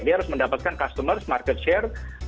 dia harus mendapatkan customer market share